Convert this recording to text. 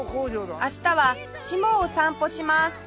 明日は志茂を散歩します